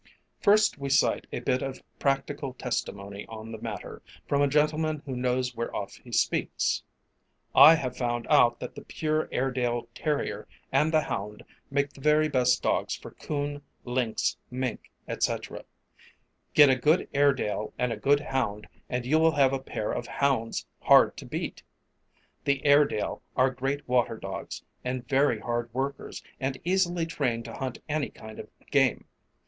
First we cite a bit of practical testimony on the matter, from a gentleman who knows whereof he speaks: I have found out that the pure Airedale terrier and the hound make the very best dogs for coon, lynx, mink, etc. Get a good Airedale and a good hound and you will have a pair of hounds hard to beat. The airedale are great water dogs and very hard workers and easily trained to hunt any kind of game.